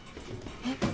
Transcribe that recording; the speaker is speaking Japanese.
えっ。